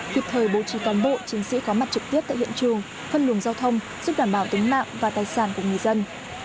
kịp thời bố trí cán bộ chiến sĩ có mặt trực tiếp tại hiện trường phân luồng giao thông giúp đảm bảo tính mạng và tài sản của người dân